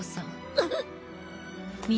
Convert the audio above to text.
あっ。